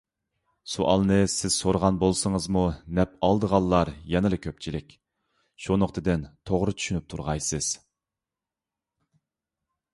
سوئالنى سىز سورىغان بولسىڭىزمۇ نەپ ئالىدىغانلار يەنىلا كۆپچىلىك. شۇ نۇقتىدىن توغرا چۈشىنىپ تۇرغايسىز.